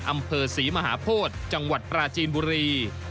อำเภอศรีมหาโพธิจังหวัดปราจีนบุรี